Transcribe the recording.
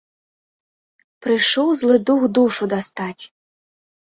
Прыйшоў злы дух душу дастаць.